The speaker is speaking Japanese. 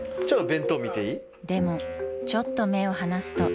［でもちょっと目を離すと］